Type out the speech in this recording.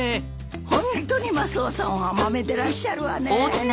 ホントにマスオさんはまめでらっしゃるわね。